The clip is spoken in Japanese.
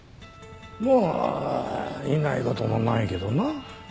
まあいない事もないけどな。